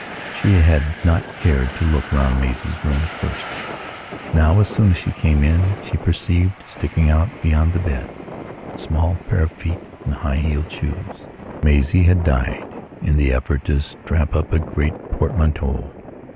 She had not cared to look round Maisie's rooms at first. Now, as soon as she came in, she perceived, sticking out beyond the bed, a small pair of feet in high heeled shoes. Maisie had died in the effort to strap up a great portmanteau.